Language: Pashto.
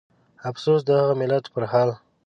افسوس د هغه ملت پرحال